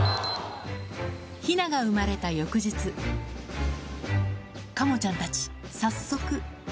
ヒナが産まれた翌日、カモちゃんたち、早速。